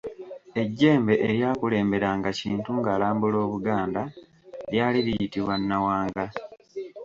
Ejjembe eryakulemberanga Kintu ng'alambula Obuganda lyali liyitibwa Nawanga.